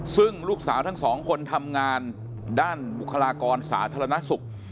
ซึ่งลูกสาวทั้งสองคนทำงานด้านบุคลากรสาธารณสุข